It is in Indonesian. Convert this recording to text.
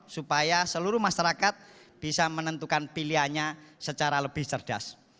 supaya seluruh masyarakat bisa menentukan pilihannya secara lebih cerdas